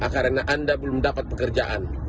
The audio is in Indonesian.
karena anda belum dapat pekerjaan